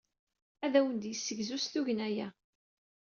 Ad awen-d-yessegzu s tugna-a.